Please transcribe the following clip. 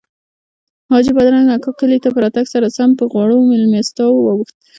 حاجي بادرنګ اکا کلي ته په راتګ سره سم پر غوړو میلمستیاوو واوښت.